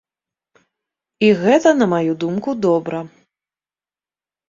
І гэта, на маю думку, добра.